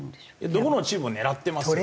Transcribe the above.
どこのチームも狙ってますよ。